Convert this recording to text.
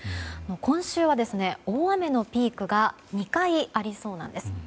今週は大雨のピークが２回ありそうなんです。